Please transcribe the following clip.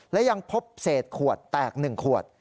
และยังพบเศษขวดแตก๑ขวด